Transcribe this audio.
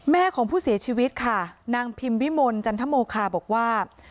แม่ของผู้เสียชีวิตค่ะนางพิมวิมลจันทโมคาบอกว่า